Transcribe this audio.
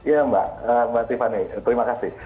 ya mbak mbak tiffany terima kasih